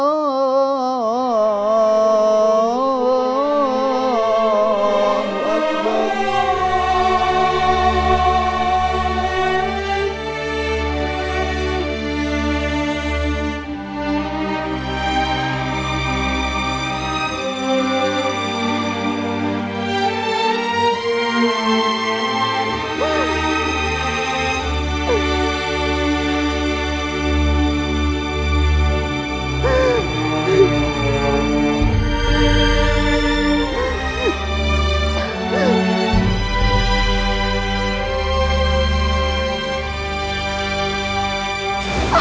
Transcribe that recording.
aku akan melupakanmu selamanya